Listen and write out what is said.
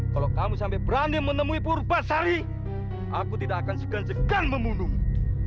kalau kamu sampai berani menemui purba sari aku tidak akan segan segan membunuhmu